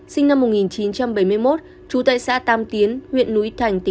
sinh năm một nghìn chín trăm bảy mươi một trú tại xã tam tiến huyện núi thành